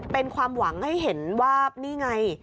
เป็นความหวังให้เห็นว่านี่ไง